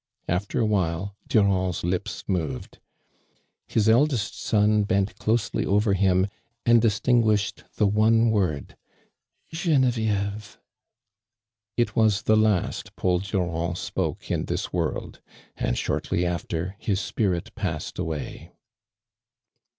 After a, while Durand's lips moved. His eldest son bent closely over him and distinguished the one word "Genevieve."' It was the last Paul Durand spoke in thin world, and shortly after his spirit passed away.